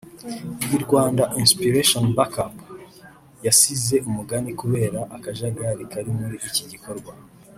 iyi Rwanda Inspiration Back Up yasize umugani kubera akajagari kari muri iki gikorwa